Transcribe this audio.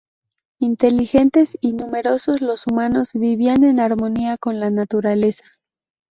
Inteligentes y numerosos, los humanos vivían en armonía con la naturaleza.